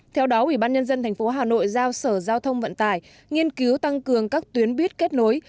theo đó ủy ban nhân dân tp hà nội giao sở giao thông vận tải nghiên cứu tăng cường các tuyến buýt kết nối